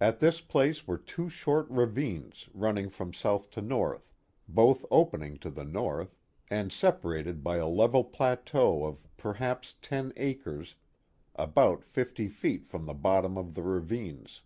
At this place were two short ravines running from south to north both opening to the north and separated by a level plateau of perhaps ten acres about fifty feet above the bottom of the ravines.